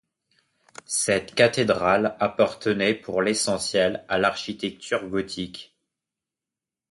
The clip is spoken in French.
Cette cathédrale appartenait pour l'essentiel à l'architecture gothique.